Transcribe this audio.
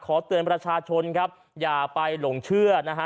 ขอเตือนประชาชนครับอย่าไปหลงเชื่อนะฮะ